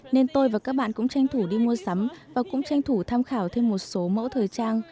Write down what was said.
nên tôi và các bạn cũng tranh thủ đi mua sắm và cũng tranh thủ tham khảo thêm một số mẫu thời trang